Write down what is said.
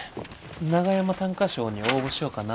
長山短歌賞に応募しよかな思て。